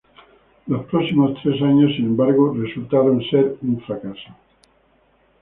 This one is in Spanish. Los próximos tres años, sin embargo, resultó ser un fracaso.